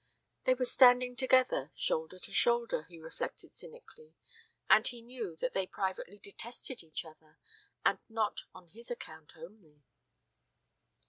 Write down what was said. They were standing together shoulder to shoulder, he reflected cynically and he knew that they privately detested each other, and not on his account only.